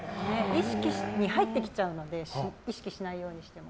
意識に入ってきちゃうので意識しないようにしても。